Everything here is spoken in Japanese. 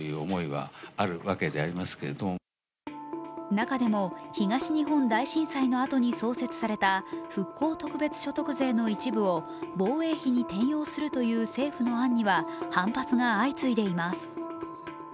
中でも東日本大震災のあとに創設された復興特別所得税の一部を防衛費に転用するという政府の案には反発が相次いでいます。